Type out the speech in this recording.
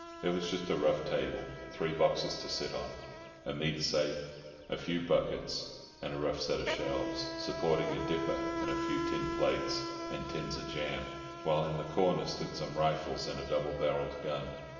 There was just a rough table, three boxes to sit on, a meat safe, a few buckets, and a rough set of shelves, supporting a dipper and a few tin plates, and tins of jam, while in the corner stood some rifles and a double barrelled gun.